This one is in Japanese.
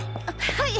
はい。